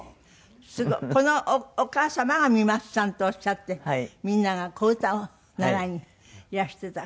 このお母様が三升さんとおっしゃってみんなが小唄を習いにいらしてた。